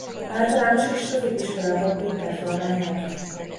Általános és középiskolába Péterfalván járt.